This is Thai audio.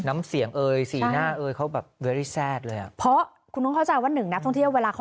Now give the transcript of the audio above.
ไม่ความสุข